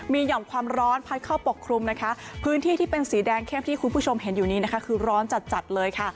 มีห่อมความร้อนพัดเข้าปกคลุมนะคะพื้นที่ที่เป็นสีแดงเข้มที่คุณผู้ชมเห็นอยู่นี้นะคะคือร้อนจัดจัดเลยค่ะ